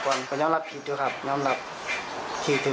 ตอนนี้ยังไม่ได้กินครับเพิ่งจะ